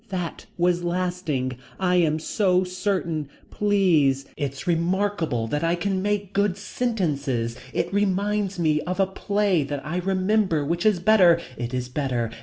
That was lasting. I am so certain. Please. It's remarkable that I can make good sentences. It reminds me of a play that I remember which is better. It is better.